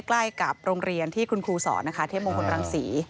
ใกล้กับโรงเรียนที่คุณครูสอนนะคะเทพมงคลรังศรี